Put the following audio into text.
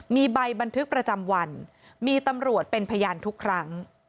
มีใบบันทึกประจำวันมีตำรวจเป็นพยานทุกครั้ง